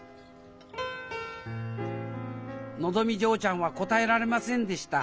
のぞみ嬢ちゃんは答えられませんでした。